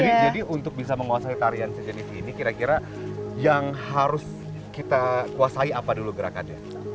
jadi untuk bisa menguasai tarian sejenis ini kira kira yang harus kita kuasai apa dulu gerakannya